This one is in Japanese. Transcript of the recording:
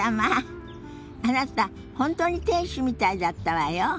あなた本当に店主みたいだったわよ。